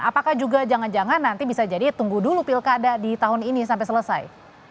apakah juga jangan jangan nanti bisa jadi tunggu dulu pilkada di tahun ini sampai selesai